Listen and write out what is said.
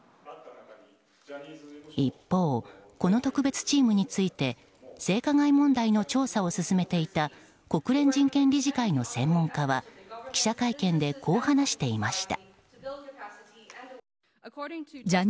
一方、この特別チームについて性加害問題の調査を進めていた国連人権理事会の専門家は記者会見でこう話していました。